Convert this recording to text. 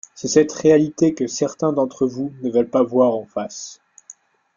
C’est cette réalité que certains d’entre vous ne veulent pas voir en face.